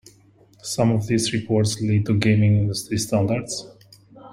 Some of these reports lead to gaming industry standards.